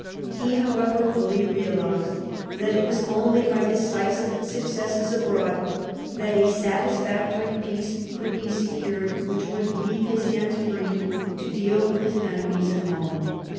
He, however, fully I THE EARLY YEARS OF MAZARIN'S MINISTRY 21 realised that it was only by decisive successes abroad that a satisfactory peace could be secured which would leave his hands free to deal with his enemies at home.